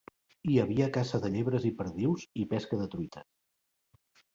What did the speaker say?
Hi havia caça de llebres i perdius i pesca de truites.